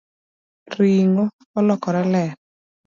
Ringo olokore ler